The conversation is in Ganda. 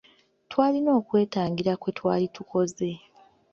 Twalina okwetangira kwe twali tukoze.